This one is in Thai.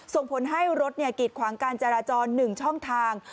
ส่งผลให้รถกีดขวางการจราจร๑ช่องทาง